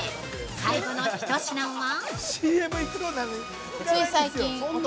最後の１品は！？